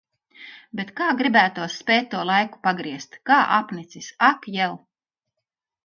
Bet kā gribētos spēt to laiku pagriezt! Kā apnicis! Ak jel.